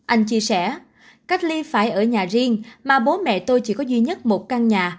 anh chia sẻ cách ly phải ở nhà riêng mà bố mẹ tôi chỉ có duy nhất một căn nhà